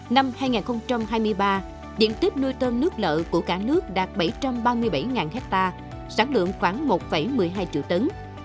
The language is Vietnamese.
năm hai nghìn hai mươi ba diện tích nuôi tôm nước lợ của cả nước đạt bảy trăm ba mươi bảy ha sản lượng khoảng một một mươi hai triệu tấn